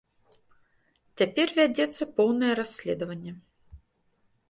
Цяпер вядзецца поўнае расследаванне.